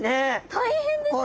大変ですよね。